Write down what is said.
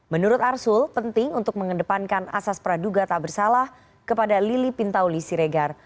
menurut arsul penting untuk mengedepankan asas praduga tak bersalah kepada lili pintauli siregar